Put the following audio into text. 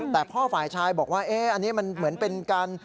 แต่พ่อฝ่ายชายบอกว่าอันนี้มันเหมือนเป็นการ